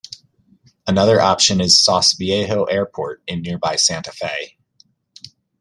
Another option is Sauce Viejo Airport in nearby Santa Fe.